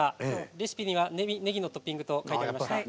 レシピには、ねぎのトッピングと書いておりました。